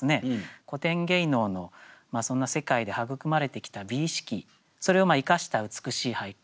古典芸能のそんな世界で育まれてきた美意識それを生かした美しい俳句。